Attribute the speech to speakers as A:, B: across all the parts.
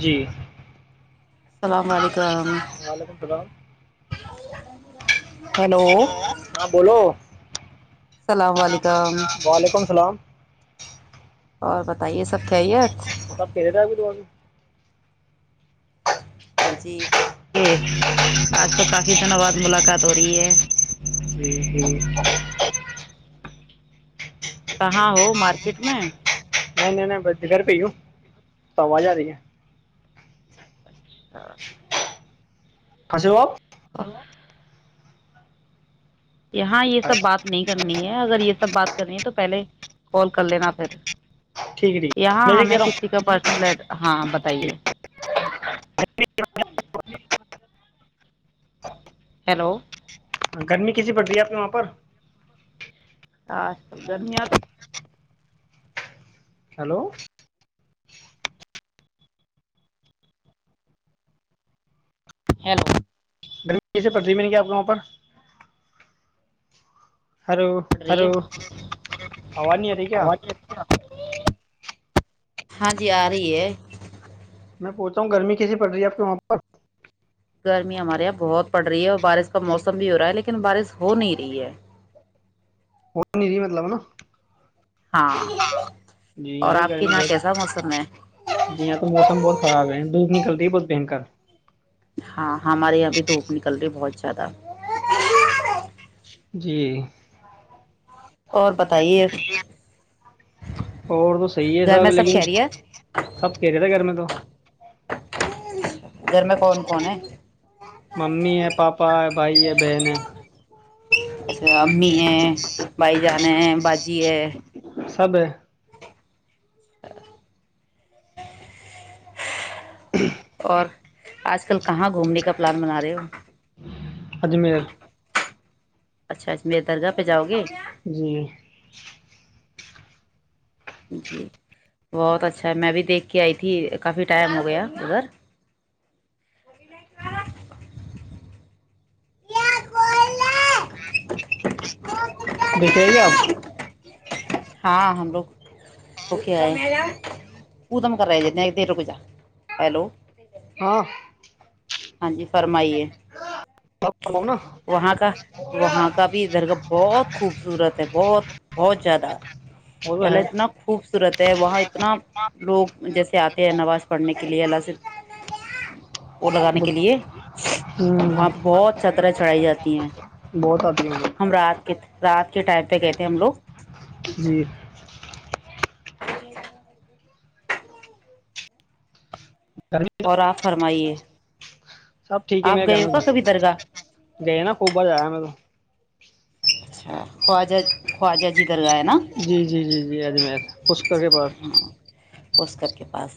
A: جی
B: السلام علیکم
A: وعلیکم اللام
B: ہیلو
A: ہلو ہاں بولو [unintelligible]
B: السلام علیکم
A: وعلیکم السلام [unintelligible]
B: اور بتائیے سب خیریت
A: سب پھرے رہ گ تو آگ [unintelligible]
B: ہاں جی ج آج ک کافی دنواد ملاقات ہو رہی ہے
A: جی
B: [unintelligible] جٹ [unintelligible] کہاں ہو مارکیٹ میں
A: نہیں نہیں نہیں ب ج گھر پئیوں [unintelligible] سواں ج رہی ہے [unintelligible]
B: ہاں [unintelligible]
A: کس بپ [unintelligible]
B: ہاں یہ سب بات نہیں کرنی ہے اگر یہ سب بات کرنی ہے تو پہلے کال کر لینا پھر
A: ٹھیک ہے ٹھیک ہے
B: یہاں
A: میں سے کہہ
B: ہمیں
A: رہا ہوں
B: کسی کا پرسنل ہاں بتائیے ہلو
A: گرمی کسی پڑتی ہے آپ کے وہاں پر
B: ہاں گرمیاں تو
A: ہیلو
B: ہیلو
A: گھرمی کیسے پڑتی م گ آپ کو وہاں پر ہیلو
B: اراز
A: آواز نہیں آ رہی کیا
B: [unintelligible] ہاں جی آ رہی ہے
A: میں پہچا ہوں گرمی کیسی پڑ رہی ہے آپ کے وہاں پر
B: گرمی ہمارے یہاں بہت پڑ رہی ہے اور بارش کا موسم بھی ہو رہا ہے لیکن بارش ہو نہیں رہی ہے
A: وہ نہیں رہی مطلب نا
B: ہاں
A: جی
B: اور
A: یہاں بھی
B: آپ کے
A: گرمی
B: کیسا موسم ہے
A: بہت جی یہاں تو موسم بہت خراب ہے دھوپ نکلتی ہے بہت بھینکر
B: ہاں ہمارے یہاں بھی دھوپ نکل رہی بہت اچھاد
A: جی
B: اور بتائیے
A: اور تو صحیح ہے
B: گھر میں
A: سب لیکن
B: خیریت
A: سب کہہرے تھے گھر میں تو
B: گھر میں کون کون ہے
A: ممی ہے پاپا ہے بھائی ہے بہن ہے
B: اچھا امی ہیں بھائی جان ہیں بجی ہے
A: خب
B: [inaudible] آج کل کو کہاں گھومنے کا پلان بنا رہے ہو ہ [inaudible]
A: اجمیر
B: اچھا اچا میرے درگاہ پہ جاؤے
A: جی
B: جی بہت اچھا ہے میں بھی دیکھ کے آئی تھی کافی ٹائم ہو گیا ادھر کوئی ن
A: دیکھ رہے گے آپ
B: ہاں ہم لوگکئے ا دم کر رہے ہیں جنے دیر رک جا ہیلو
A: ہاں
B: ہاں جی فرمائیے
A: کرو نا
B: وہاں کا وہاں کا بھی دھرگاہ بہت خوبصورت ہے بہت بہت زیادہ
A: وہ
B: یہ
A: تو
B: اللہ
A: ہے
B: اتنا خوبصورت ہے وہاں اتنا لوگ جیسے آتے ہیں نماز پڑھنے کے لیے اللہ سے وہ لگانے کے لیے
A: ہ
B: وہاں پہ بہت چا طرح چڑھائی جاتی ہیں
A: بہت آتی ہے
B: ہم رات رات کے ٹائم پہ کہتے ہیں ہم لوگ
A: جی
B: اچ
A: گھر میں
B: اور آپ فرمائیے
A: سب ٹھیک ہے
B: آپ
A: میرے گھر
B: گئے ہو
A: میں
B: کا کبھی درگاہ
A: تو گئے نا خوب باز آیا میں تو
B: اچھا خواجہ خواجہ جی درگاہ ہے نا
A: جی جی جی جی اجمیر خشکر کے پاس
B: پسکر کے پاس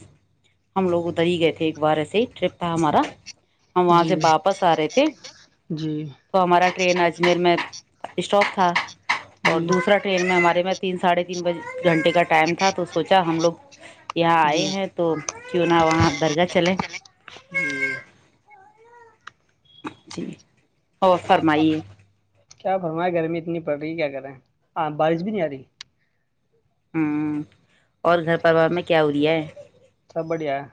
B: ہم لوگ ادھر ہی گئے تھے ایک بار ایسے ہی ٹرپ تھا ہمارا ہم وہاں
A: جی
B: سے واپس آ رہے تھے
A: جی
B: تو ہمارا ٹرین اجمیر میں اسٹاپ تھا اور
A: جی
B: دوسرا ٹرین میں ہمارے میں تیناھے تین بجے گھنٹے کا ٹائم تھا تو سوچ ا کیااہ ہم لوگ یہاں آئے
A: جی
B: ہیں تو کیوں نہ وہاں درگاہ چلے
A: جی
B: جی او فرمائیے
A: کیا فرما گرمی اتنی پڑ رہی ہے کیا کر رہے ہاں بارش بھی نہیں آ رہی
B: ہوں اور گھر پروار میں کیا ہو رہیا ہے
A: سب بڑھیا ہے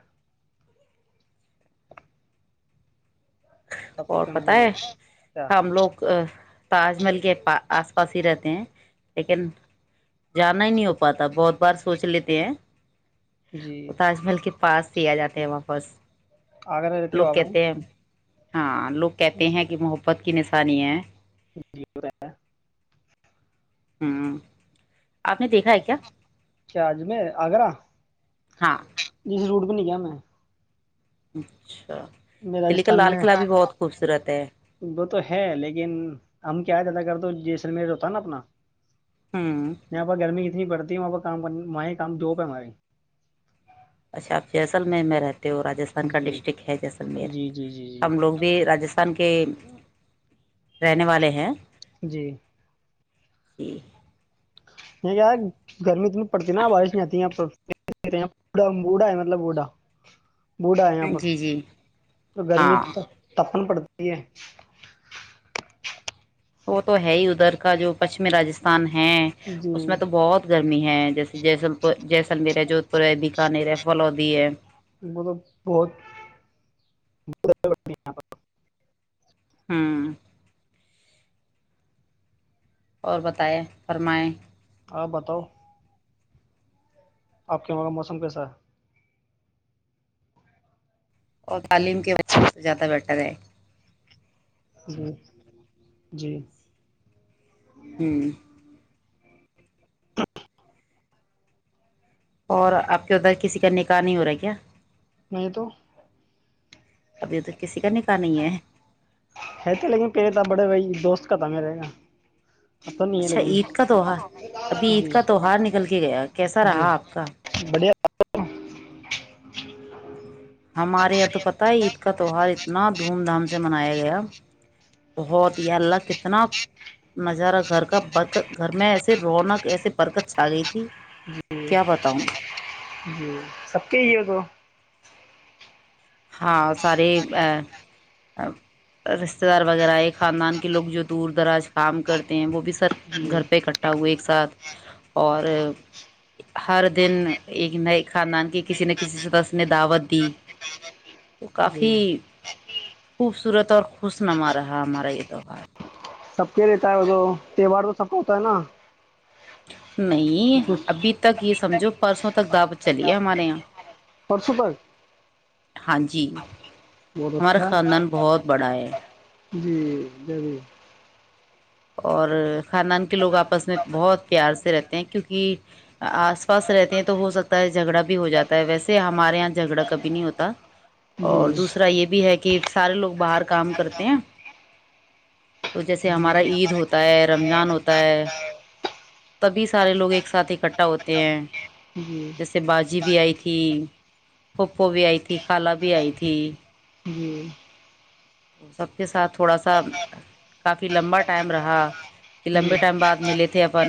B: اور
A: سب
B: پت
A: مزے
B: ہے
A: ہیں کیا
B: ہم لوگ تاج محل کےا آس پاس ہی رہتے ہیں لیکن جانا ہی نہیں ہو پاتا بہت بار سوچ لیتے ہیں
A: جی
B: تاج محل کے پاس سیا جاتے ہیں واپس
A: آگرہ رہتی
B: لوگ
A: باب میں
B: کہتے ہیں ہاں لوگ کہتے ہیں کہ محبت کی نشانی ہے
A: جی ہے
B: ہوں آپ نے دیکھا ہے کیا
A: کیا اج میں آگرہ
B: ہاں
A: ضرٹ بھی نہیں کیا میں
B: اچھا
A: میں
B: دلی کا
A: راجستھان
B: لال
A: میں
B: قلعہ بھی بہت خوبصورت ہے
A: وہ تو ہے لیکن ہم کیا جاتا کر تو جی سللم ہوتا ہے نا اپنا
B: ہوں
A: یہاں پ گرمی کتنی ہی پڑتا وہاں کام کر وہ کام دوپہ ہمارے [unintelligible]
B: اچھا آپ جیسللم میں میں رہتے وہ راستھان کا
A: جی
B: ڈسٹرکٹ ہے جیسلمیر
A: جی جی جی جی
B: ہم لوگ بھی راستھان کے [unintelligible] رہنے والے ہیں
A: جی
B: [unintelligible] جی [unintelligible]
A: یہ کیا گرمی تو پڑتی نا بارش نہیں آتی بھا ہے مطلب بھا بوٹا یہاں پر
B: جی جی
A: تو گرمی
B: ہاں
A: تپن پڑتا [unintelligible]
B: اور [unintelligible] تو ہے ہی ادھر کا جو پشچمی راستھان ہے
A: جی
B: اس میں تو بہت گرمی ہے جیسے جیسے [unintelligible] جیسلمیر ہے جوھ پور ہے بیکانیر ہے فلوودی ہے [unintelligible]
A: وہ تو بہت [unintelligible]
B: ہاں [unintelligible] اور بتیں فرمائیں
A: ہاں بتاؤ [unintelligible] آپ کے وہاں کا موسم کیسا ہے
B: اور تعلیم کے بے سے زیادہ بیٹر ہے
A: جی جی [unintelligible]
B: ہوں [unintelligible] اور آپ کے ادھر کسی کا نکاح نہیں ہو رہا ہے کیا
A: نہیں تو
B: ابھی ادھر کسی کا نکح نہیں ہے [unintelligible]
A: ہے تھے لیکن پہے تھا بڑے بی دوست کا تھا میرے کا [unintelligible]
B: اچھا
A: لیکن
B: عید کا تہوار ابھی عید
A: جی
B: کا تہوہار نکل کے گیا کیسا
A: جی
B: رہا آپ کا [unintelligible]
A: بڑھیا
B: ہمارے یا تو پتہ ہے عید کا تیوہار اتنا دھوم دھام سے منایا گیا بہت یہ اللہ کتنا نظارہ گھر کا برکت گھر میں ایسے رونق ایسے برکت چھا گئی تھی
A: جی
B: کیا بتاؤں [unintelligible]
A: جی سب کے ہی ہے تو [unintelligible]
B: ہاں سارے رشتتے دار وغیرہ ہے خاندان کے لوگ جو دور دراز کام کرتے ہیں وہ بھی سر گھر
A: جی
B: پہ اکٹھا ہوئے ایک ساتھ اور ہر دن ایک نئے خاندان کے کسی نہ کسی سدس نے دعوت دی تو
A: جی
B: کافی [unintelligible] خوبصورت اور خوش نما رہا ہمارا یہ تہوہار
A: سب کے لیتا ہے وہ تو تہوار تو سب کا ہوتا ہے نا
B: نہیں
A: کچھ
B: ابھی تک اس [unintelligible] سمجھو پرسوں تک دپ چلییا ہمارے یہاں [unintelligible]
A: پرشو بال [unintelligible]
B: ہاں جی [unintelligible] ہمارا خاندان بہت بڑا ہے [unintelligible]
A: جی جب [unintelligible]
B: اور خاندان کے لوگ آپس میں بہت پیار سے رہتے ہیں کیونکہ آس پاس رہتے ہیں تو ہو سکتا ہے جھگڑا بھی ہو جاتا ہے ویسے ہمارے یہاں جھگڑا کبھی نہیں ہوتا
A: جی
B: اور دوسرا یہ بھی ہے کہ سارے لوگ باہر کام کرتے ہیں تو جیسے
A: جی
B: ہمارا عید ہوتا ہے رمضان ہوتا ہے تبھی سارے لوگ ایک ساتھ اکٹھا ہوتے ہیں
A: جی
B: سبی بھی آئی تھی پھوپپھو بھی آئی تھی خالا بھی آئی تھی
A: جی
B: تو سب کے ساتھ تھوڑا سا کافی لمبا ٹائم رہا کہ لمبے
A: جی
B: ٹائم بعد ملے تھے اپن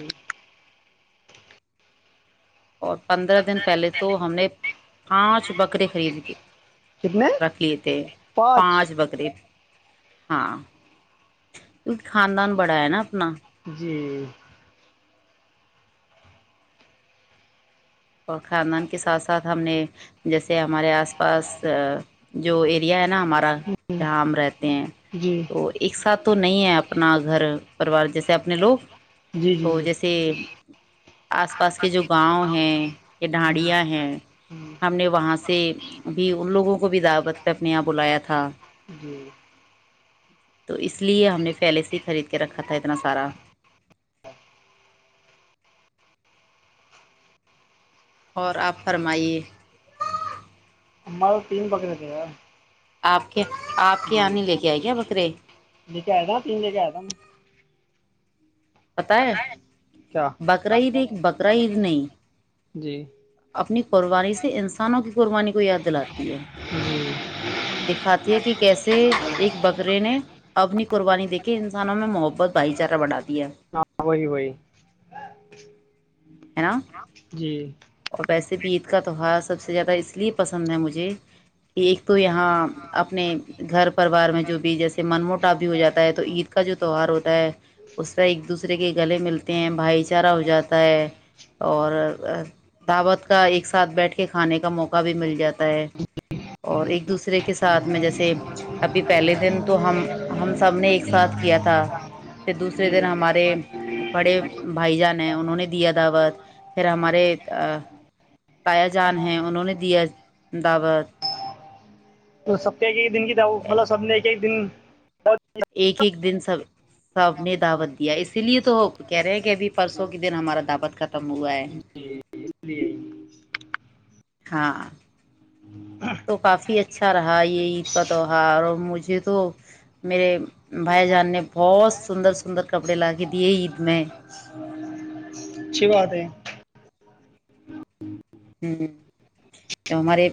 A: جی
B: اور پندرہ دن پہلے تو ہم نے پانچ بکرے خرید کےے
A: کتنے
B: رکھ لیے تھے پانچ بکرے ہاں کیونکہ خاندان بڑا ہے نا اپنا
A: جی
B: اور خاندان کے ساتھ ساتھ ہم نے جیسے ہمارے آس پاس جو ایریا ہے نا ہمارا جہاں ہم رہتے ہیں
A: جی
B: تو ایک ساتھ تو نہیں ہے اپنا گھر پوار جیسے اپنے لوگ
A: جی جی
B: تو
A: جی
B: جیسے آس پاس کے جو گاؤں ہیں یہ
A: ہ
B: ڈھاڑیاں ہیں ہم نے وہاں سے بھی ان لوگوں کو بھی دعوت پ اپنے یہاں بلایا تھا
A: جی
B: تو اس لیے ہم نے پھیلے سے ہی خرید کے رکھا تھا اتنا سارا اور آپ فرمائیے
A: اور تین بکرے تھے یار
B: آپ کے آپ کی آنی لے کے آئے کیا بکرے
A: لےکے آیا تھا تین لیکے ایا تھا میں
B: پتا ہے
A: کیا
B: بقرا عید ایک بقرا عید نہیں
A: جی
B: اپنی قربانی سے انسانوں کی قربانی کو یاد دلات
A: جی
B: دکھاتی ہے کہ کیسے ایک بکرے نے اپنی قربانی دیکھے انسانوں میں محبت بھائی چارہ بڑا دیا ہے
A: ہاں وہی وہی
B: ہے نا
A: جی
B: اور ویسے بھی یہ عید کا تہوار سب سے زیادہ اس لیے پسند ہے مجھے کہ ایک تو یہاں اپنے گھر پروار میں جو بھی جیسے من موٹاپ بھی ہو جاتا ہے تو عید کا جو تہوار ہوتا ہے اس سے ایک دوسرے دوسرے کے گلے ملتے ہیں بھائی چارہ ہو جاتا ہے اور دعوت کا ایک ساتھ بیٹھ کے کھانے کا موقع بھی مل جاتا ہے اور ایک دوسرے کے ساتھ میں جیسے ابھی پہلے دن تو ہم ہم سب نے ایک ساتھ کیا تھا پھر دوسرے
A: جی
B: دن ہمارے بڑے بھائی جان ہیں انہوں نے دیا دعوت پھر ہمارے تایا جان ہے انہوں نے دیا دعوت
A: تو ستیہ کی دن کی د مطلب سب نے ایک ایک دن بہت [unintelligible]
B: ایک ایک دن سب سب نے دعوت دیا اسی لیے تو کہہ رہے ہیں کہ ابھی پرسوں کے دن ہمارا دعوت ختم ہوا ہے ہاں تو کافی اچھا رہا یہ عید کا تہوہار اور مجھے تو میرے بھائی جان نے بہت سندر سندر کپڑے لا کے دیے عید میں
A: اچھی بات ہے
B: ہ تو ہمارے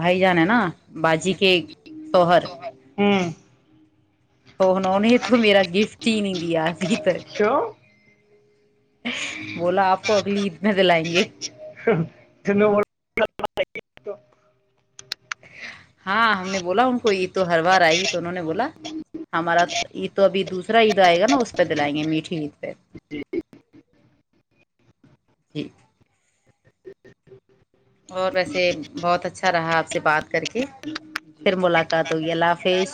B: بھائی جان ہیں نا باجی کے شوہر
A: ہ
B: ہونا انیں تو میرا گفٹ ہی نہیں دیا تک
A: کیوں [unintelligible]
B: بولا آپ کو اگلی عید میں دلائیں گے
A: ج وہ [unintelligible]
B: ہاں ہم نے بولا ان کو عید تو ہر بار آئے گی تو انہوں نے بولا ہمارا عید تو ابھی دوسرا عید آئے گا نا اس پہ دلائیں گے میٹھی عید پہ جی اور ویسے بہت اچھا رہا آپ سے بات کر کے پھر ملاقات ہوگئی اللہ حافظ